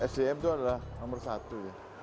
sdm itu adalah nomor satu ya